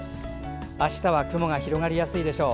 あしたは雲が広がりやすいでしょう。